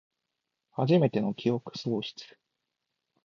はじめての記憶喪失